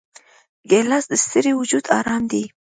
ګیلاس د ستړي وجود آرام دی.